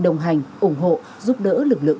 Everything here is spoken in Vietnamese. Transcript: đồng hành ủng hộ giúp đỡ lực lượng